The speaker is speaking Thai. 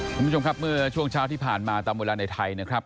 คุณผู้ชมครับเมื่อช่วงเช้าที่ผ่านมาตามเวลาในไทยนะครับ